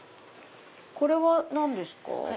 これは何ですか？